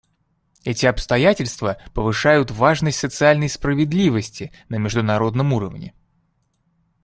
Эти обстоятельства повышают важность социальной справедливости на международном уровне.